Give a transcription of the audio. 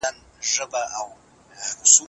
ځيني صالح نارينه بيوزله وي.